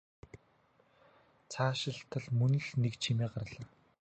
Цаашилтал мөн л нэг чимээ гарлаа.